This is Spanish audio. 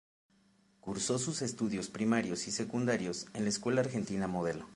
Cursó sus estudios primarios y secundarios en la Escuela Argentina Modelo.